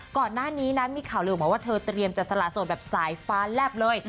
ก่อนหน้านี้นะมีข่าวลืมมาว่าเธอเตรียมจะสละโสดแบบสายฟ้าแลบเลย